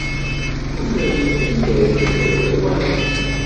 Ufiɣ yiwet n targit iḍelli weḥd-s.